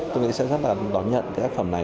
tôi nghĩ sẽ rất là đón nhận cái tác phẩm này